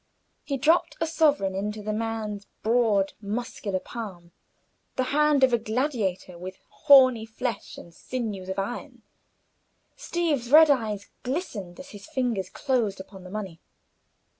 He dropped a sovereign into the man's broad, muscular palm the hand of a gladiator, with horny flesh and sinews of iron. Steeve's red eyes glistened as his fingers closed upon the money.